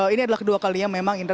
ini adalah kedua kalinya memang indra